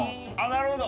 なるほど！